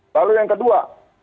lalu yang kedua